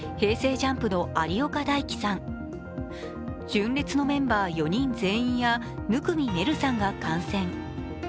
ＪＵＭＰの有岡大貴さん、純烈のメンバー４人全員や生見愛瑠さんが感染。